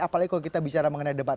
apalagi kalau kita bicara mengenai debat